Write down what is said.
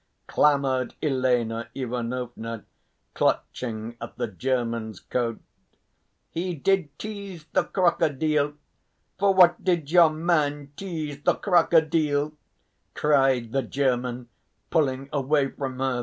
clamoured Elena Ivanovna, clutching at the German's coat. "He did tease the crocodile. For what did your man tease the crocodile?" cried the German, pulling away from her.